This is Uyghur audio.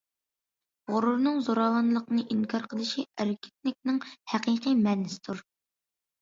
غۇرۇرنىڭ زوراۋانلىقنى ئىنكار قىلىشى ئەركىنلىكنىڭ ھەقىقىي مەنىسىدۇر.